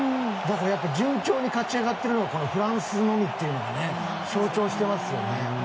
順調に勝ち上がってるのはこのフランスのみっていうのが象徴してますよね。